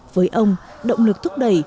với ông động lực thúc đẩy